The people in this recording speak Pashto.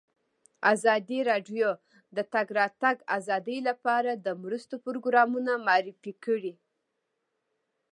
ازادي راډیو د د تګ راتګ ازادي لپاره د مرستو پروګرامونه معرفي کړي.